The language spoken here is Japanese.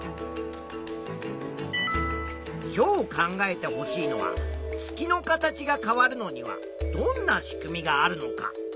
今日考えてほしいのは月の形が変わるのにはどんなしくみがあるのか。